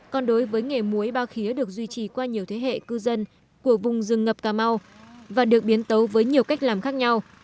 còn đối với nghề muối ba khía được duy trì qua nhiều thế hệ cư dân của vùng rừng ngập cà mau và được biến tấu với nhiều cách làm khác nhau